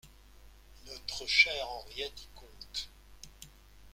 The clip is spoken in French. Notre chère Henriette y compte.